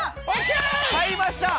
入りました。